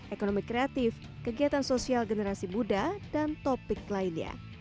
ekonomi kreatif kegiatan sosial generasi muda dan topik lainnya